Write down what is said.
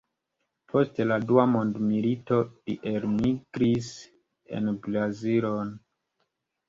Post la dua mondmilito li elmigris en Brazilon.